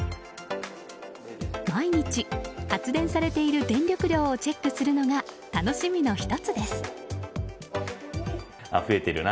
毎日、発電されている電力量をチェックするのが楽しみの１つです。